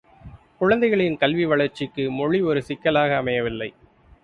குழந்தைகளின் கல்வி வளர்ச்சிக்கு மொழி ஒரு சிக்கலாக அமையவில்லை.